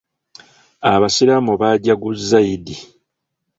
Abasiraamu bajjaguza yidi